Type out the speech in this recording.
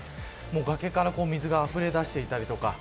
崖から水があふれ出していたりとか。